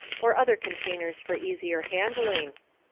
or other containers for easier handling.